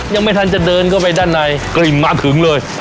ยังไม่ทันจะเดินเข้าไปด้านในกลิ่นมาถึงเลย